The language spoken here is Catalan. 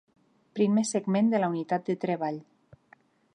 Primer segment de la unitat de treball.